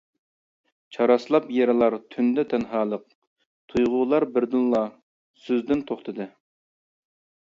چاراسلاپ يېرىلار تۈندە تەنھالىق، تۇيغۇلار بىردىنلا سۆزدىن توختىدى.